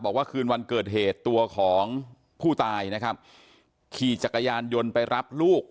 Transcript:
บอกว่าคืนวันเกิดเหตุตัวของผู้ตายนะครับขี่จักรยานยนต์ไปรับลูก